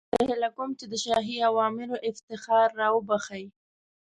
زه هیله کوم چې د شاهي اوامرو افتخار را وبخښئ.